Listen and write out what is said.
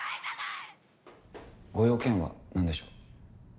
ご用件はなんでしょう。